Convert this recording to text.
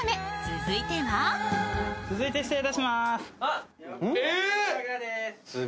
続いて失礼いたします。